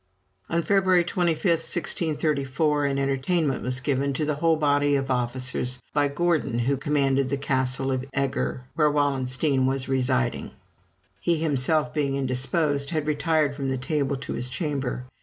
On February 25, 1634, an entertainment was given to the whole body of officers by Gordon, who commanded the castle of Eger, where Wallenstein was residing. He himself being indisposed, had retired from the table to his chamber.